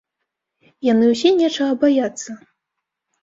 Яны ўсе нечага баяцца.